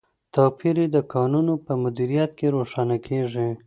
توپیر یې د کانونو په مدیریت کې روښانه کیږي.